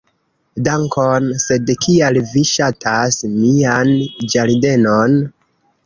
"Dankon. Sed kial vi ŝatas mian ĝardenon?"